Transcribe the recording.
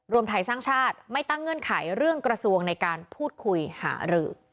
รวมไทยสร้างชาติไม่ตั้งเงื่อนไขเรื่องกระทรวงในการพูดคุยหารือ